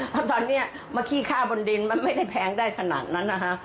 เพราะตอนนี้มาขี้ค่าบนดินมันไม่ได้แพงได้ขนาดนั้นนะคะ